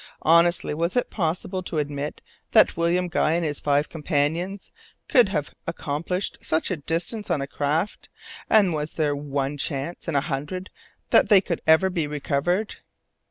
Honestly, was it possible to admit that William Guy and his five companions could have accomplished such a distance on a frail craft, and was there one chance in a hundred that they could ever be recovered?